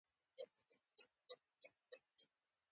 په "تذکرة الاولیاء" کښي ځيني سوچه اصطلاحات او محاورې راغلي دي.